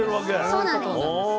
そうなんです。